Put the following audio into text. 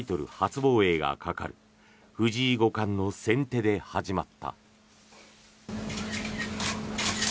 防衛がかかる藤井五冠の先手で始まった。